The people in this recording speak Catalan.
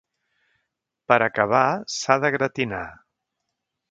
Per acabar, s’ha de gratinar.